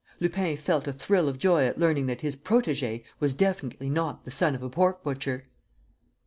Lupin felt a thrill of joy at learning that his protégé was definitely not the son of a pork butcher!